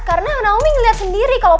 karena naomi ngeliat sendiri kalau